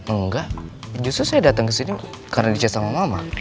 enggak justru saya datang kesini karena dicat sama mama